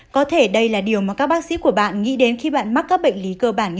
có thể đây là điều mà các bác sĩ của bạn nghĩ đến khi bạn mắc các bệnh lý cơ bản ghi nhớ